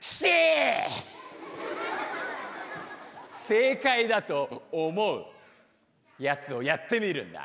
正解だと思うやつをやってみるんだ。